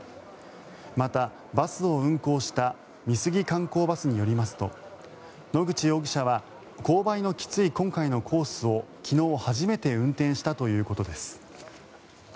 また、バスを運行した美杉観光バスによりますと野口容疑者は勾配のきつい今回のコースを昨日初めて運転したということです。